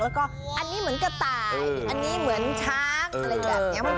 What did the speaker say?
แล้วก็อันนี้เหมือนกระต่ายอันนี้เหมือนช้างอะไรแบบนี้